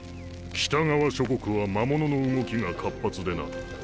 北側諸国は魔物の動きが活発でな。